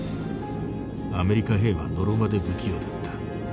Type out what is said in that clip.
アメリカ兵はのろまで不器用だった。